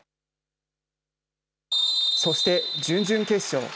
そして準々決勝。